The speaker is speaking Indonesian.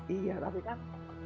iya tapi kan